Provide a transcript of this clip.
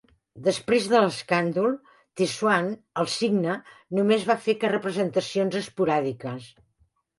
Després de l'escàndol, The Swan 'el cigne', només va fer representacions esporàdiques.